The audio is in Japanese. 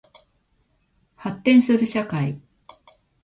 発展する社会